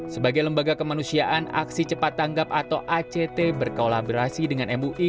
sebagai lembaga kemanusiaan aksi cepat tanggap atau act berkolaborasi dengan mui